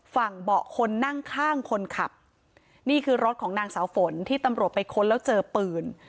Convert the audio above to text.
เบาะคนนั่งข้างคนขับนี่คือรถของนางสาวฝนที่ตำรวจไปค้นแล้วเจอปืน